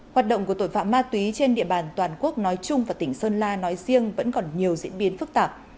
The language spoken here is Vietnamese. hoạt động của tội phạm ma túy trên địa bàn toàn quốc nói chung và tỉnh sơn la nói riêng vẫn còn nhiều diễn biến phức tạp